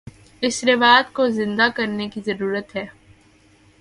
اس روایت کو زندہ کرنے کی ضرورت ہے۔